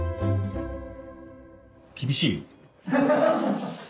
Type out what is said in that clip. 厳しいよ。